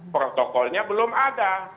protokolnya belum ada